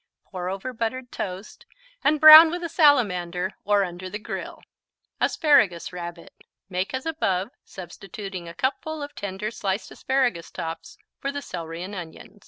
Pour over buttered toast and brown with a salamander or under the grill. Asparagus Rabbit Make as above, substituting a cupful of tender sliced asparagus tops for the celery and onion.